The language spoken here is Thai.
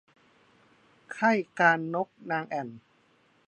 ไข้กาฬนกนางแอ่น